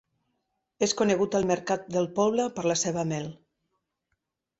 És conegut al mercat del poble per la seva mel.